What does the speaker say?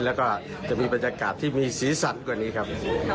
และมีบรรยากาศที่มีศีรษัทกว่านี้ครับ